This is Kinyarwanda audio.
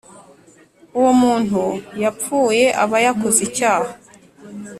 uwo muntu yapfuye aba yakoze icyaha